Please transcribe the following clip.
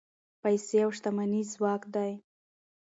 پیسې او شتمني ځواک دی.